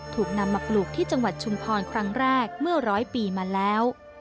ถูกนำมาปลูกที่จังหวัดชุมพรครั้งแรกเมื่อร้อยปีมาแล้ว